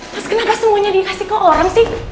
mas kenapa semuanya dikasih ke orang sih